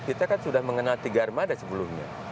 kita kan sudah mengenal tiga armada sebelumnya